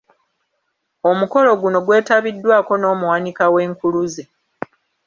Omukolo guno gwetabiddwako n’omuwanika w’Enkuluze.